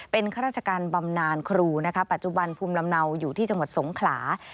เป็นข้าราชการบำนานครูนะคะปัจจุบันภูมิลำเนาอยู่ที่จังหวัดสงขลา